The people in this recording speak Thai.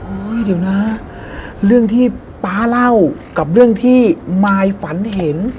เดี๋ยวนะเรื่องที่ป๊าเล่ากับเรื่องที่มายฝันเห็น